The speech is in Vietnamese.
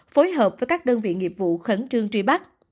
phối hợp với các đơn vị nghiệp vụ khẩn trương truy bắt